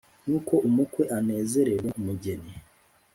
“Nk’uko umukwe anezerererwa umugeni